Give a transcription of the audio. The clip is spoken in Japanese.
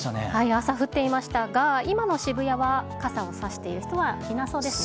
朝降っていましたが、今の渋谷は、傘を差している人はいなそうですね。